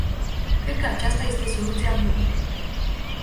Cred că aceasta este soluția bună.